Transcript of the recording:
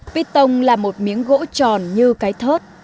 pít tông là một miếng gỗ tròn như cái thớt